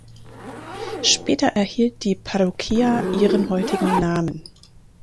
Später erhielt die Parroquia ihren heutigen Namen.